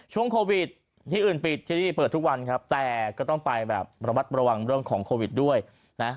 ช่วงโควิดที่อื่นปิดที่นี่เปิดทุกวันครับแต่ก็ต้องไปแบบระมัดระวังเรื่องของโควิดด้วยนะ